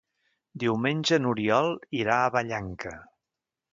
Diumenge n'Oriol irà a Vallanca.